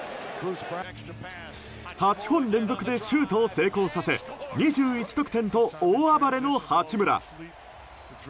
８本連続でシュートを成功させ２１得点と、大暴れの八村。